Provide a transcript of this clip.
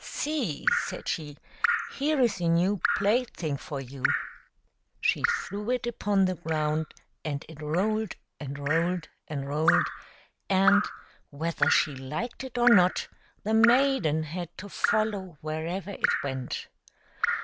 " See," said she, " here is a new plaything for you." She threw it upon the ground, and it rolled and rolled and rolled, and, whether she liked it or not, the maiden had to follow wherever it went.